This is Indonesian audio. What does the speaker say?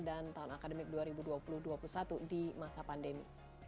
dan tahun akademik dua ribu dua puluh dua ribu dua puluh satu di masa pandemi